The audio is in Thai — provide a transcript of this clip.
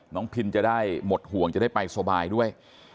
พินจะได้หมดห่วงจะได้ไปสบายด้วย